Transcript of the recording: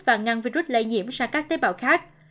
và ngăn virus lây nhiễm sang các tế bào khác